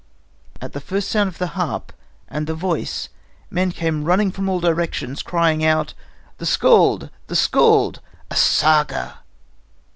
At the first sound of the harp and the voice, men came running from all directions, crying out: "The skald! The skald! A saga!"